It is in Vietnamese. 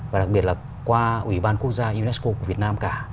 và đặc biệt là qua ủy ban quốc gia unesco của việt nam cả